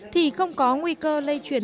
thì không có nguy cơ lây truyền